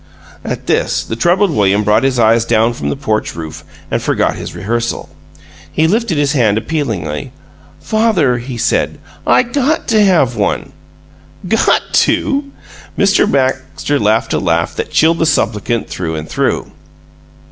At this, the troubled William brought his eyes down from the porch roof and forgot his rehearsal. He lifted his hand appealingly. "Father," he said, "I GOT to have one!" "'Got to'!" Mr. Baxter laughed a laugh that chilled the supplicant through and through.